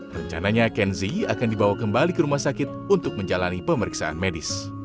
rencananya kenzi akan dibawa kembali ke rumah sakit untuk menjalani pemeriksaan medis